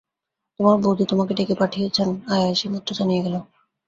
তোমার বউদি তোমাকে ডেকে পাঠিয়েছেন, আয়া এসে এইমাত্র জানিয়ে গেল।